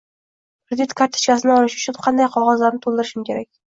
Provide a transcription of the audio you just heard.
Kredit kartochkasini olish uchun qanday qog’ozlarni to’ldirishim kerak?